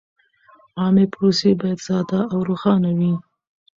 عامه پروسې باید ساده او روښانه وي.